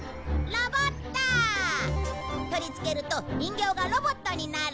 取り付けると人形がロボットになる。